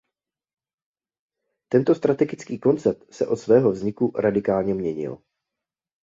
Tento strategický koncept se od svého vzniku radikálně měnil.